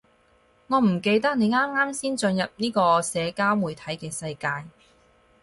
我唔記得你啱啱先進入呢個社交媒體嘅世界